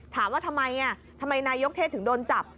ถามว่าทำไมทำไมนายกเทศถึงโดนจับ